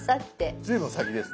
随分先ですね。